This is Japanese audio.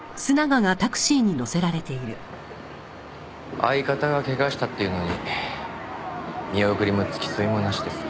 相方がけがしたっていうのに見送りも付き添いもなしですか。